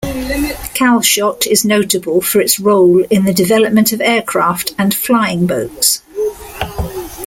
Calshot is notable for its role in the development of aircraft and flying boats.